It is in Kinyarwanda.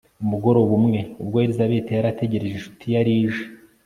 umugoroba umwe, ubwo elizabeti yari ategereje inshuti yari ije